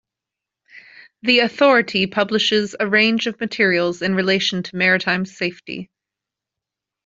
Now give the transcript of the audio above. The Authority publishes a range of materials in relation to maritime safety.